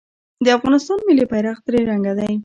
د افغانستان ملي بیرغ درې رنګه دی